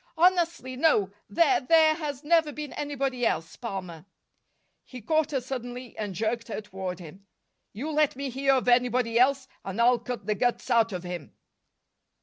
"Honestly, no. There there has never been anybody else, Palmer." He caught her suddenly and jerked her toward him. "You let me hear of anybody else, and I'll cut the guts out of him!"